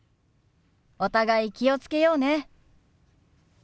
お互い気をつけようね。